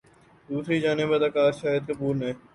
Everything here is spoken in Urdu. دوسری جانب اداکار شاہد کپور نے